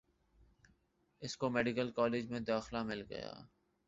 اس کو medical college میں داخلہ مل گیا